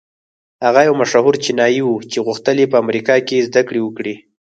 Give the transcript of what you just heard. هغه يو مشهور چينايي و چې غوښتل يې په امريکا کې زدهکړې وکړي.